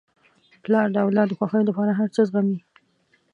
پلار د اولاد د خوښۍ لپاره هر څه زغمي.